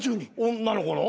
女の子の？